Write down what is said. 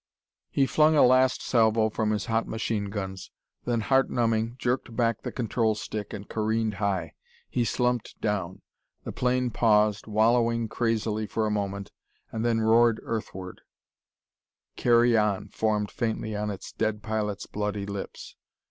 He flung a last salvo from his hot machine guns, then, heart numbing, jerked back the control stick and careened high. He slumped down. The plane paused, wallowed crazily for a moment, and then roared earthward, "Carry on!" formed faintly on its dead pilot's bloody lips.